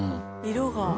色が。